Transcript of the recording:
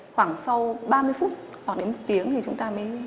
khoảng sau ba mươi phút hoặc đến một tiếng thì chúng ta mới